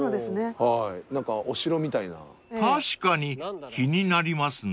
［確かに気になりますね］